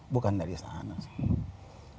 bukan dari sana sih